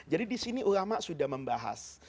jadi disini ulama sudah membahas